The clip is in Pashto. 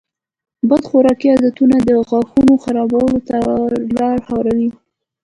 بد خوراکي عادتونه د غاښونو خرابوالي ته لاره هواروي.